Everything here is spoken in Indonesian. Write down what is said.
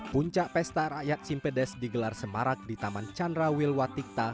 puncak pesta rakyat simpedes digelar semarak di taman chandra wilwatikta